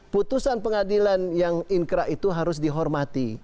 putusan pengadilan yang inkrah itu harus dihormati